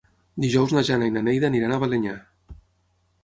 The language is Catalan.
Dijous na Jana i na Neida aniran a Balenyà.